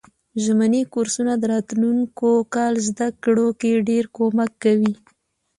ژمني کورسونه د راتلونکي کال زده کړو کی ډیر کومک کوي.